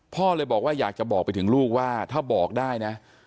พ่อเลยบอกว่าอยากจะบอกไปถึงลูกว่าถ้าบอกได้นะ